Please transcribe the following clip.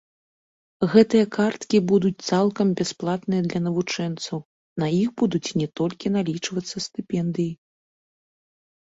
Гэтыя карткі будуць цалкам бясплатныя для навучэнцаў, на іх будуць не толькі налічвацца стыпендыі.